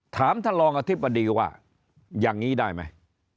ท่านรองอธิบดีว่าอย่างนี้ได้ไหม